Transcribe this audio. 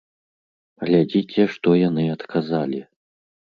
Глядзіце, што яны адказалі!